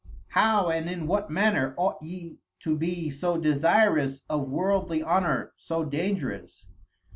How and in what manner ought yee to bee so desirous of worldly honour so dangerous!